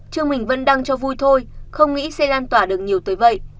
chương mình vẫn đăng cho vui thôi không nghĩ xe lan tỏa được nhiều tới vậy